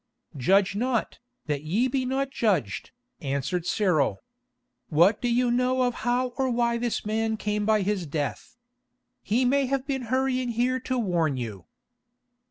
"Judge not, that ye be not judged," answered Cyril. "What do you know of how or why this man came by his death? He may have been hurrying here to warn you."